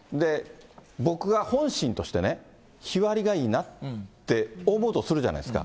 僕が本心として、日割りがいいなって思うとするじゃないですか。